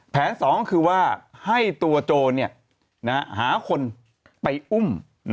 แผนสองคือว่าให้ตัวโจรเนี่ยหาคนไปอุ้ม